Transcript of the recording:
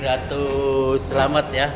ratu selamat ya